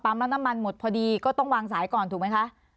แล้วน้ำมันหมดพอดีก็ต้องวางสายก่อนถูกไหมคะ